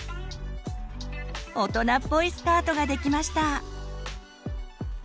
大人っぽいスカートができました。